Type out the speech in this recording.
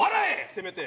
せめて。